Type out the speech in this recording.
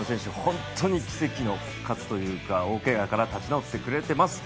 ホントに奇跡の復活というか大けがから立ち直ってくれてます